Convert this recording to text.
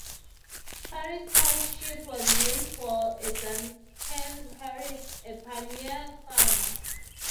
Harris Township was named for Duncan Harris, a pioneer farmer.